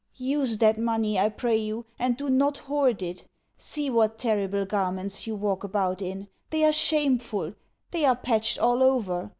Use that money, I pray you, and do not hoard it. See what terrible garments you walk about in! They are shameful they are patched all over!